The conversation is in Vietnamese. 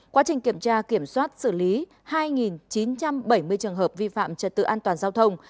quá trình kiểm tra kiểm soát xử lý hai chín trăm bảy mươi trường hợp vi phạm trật tự an toàn giao thông